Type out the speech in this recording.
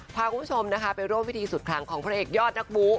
พาคุณผู้ชมนะคะไปร่วมพิธีสุดคลังของพระเอกยอดนักบู